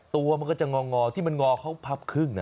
ตัวมันก็จะงอที่มันงอเขาพับครึ่งนะ